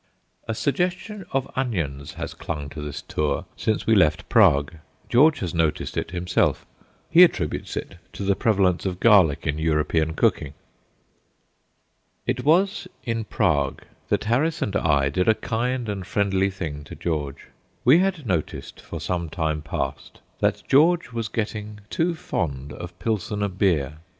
A suggestion of onions has clung to this tour since we left Prague. George has noticed it himself. He attributes it to the prevalence of garlic in European cooking. It was in Prague that Harris and I did a kind and friendly thing to George. We had noticed for some time past that George was getting too fond of Pilsener beer.